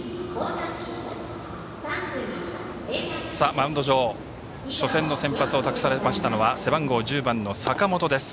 マウンド上、初戦の先発を託されましたのは背番号１０番の坂本です。